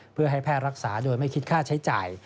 เพื่อให้แพทย์รักษาโดยไม่คิดค่าใช้จ่าย